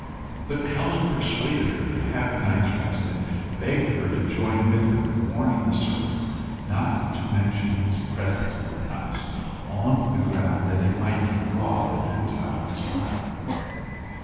But Helen persuaded her to have her night's rest, and begged her to join with her in warning the servants not to mention his presence in the house, on the ground that it might get abroad that he was out of his mind.